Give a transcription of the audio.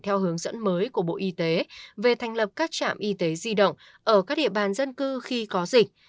theo hướng dẫn mới của bộ y tế về thành lập các trạm y tế di động ở các địa bàn dân cư khi có dịch